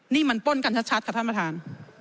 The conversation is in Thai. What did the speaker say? นี่มันป้นกันชัดค่ะท่านประธาน